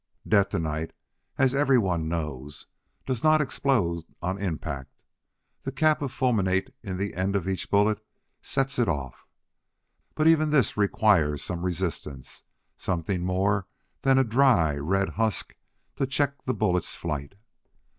Detonite, as everyone knows, does not explode on impact; the cap of fulminate in the end of each bullet sets it off. But even this requires some resistance something more than a dry, red husk to check the bullet's flight.